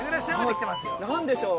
何でしょう。